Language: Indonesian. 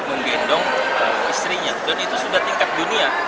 untuk mempermalukan bupati